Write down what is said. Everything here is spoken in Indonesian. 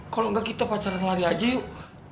kalau enggak kita pacaran lari aja yuk